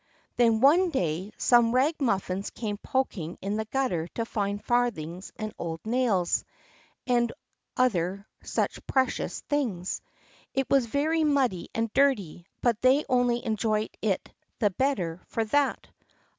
Then one day some ragamuffins came poking in the gutter to find farthings and old nails, and other such precious things. It was very muddy and dirty, but they only enjoyed it the better for that.